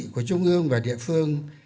của trung ương và địa phương